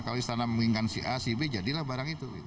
kalau istana menginginkan si a si b jadilah barang itu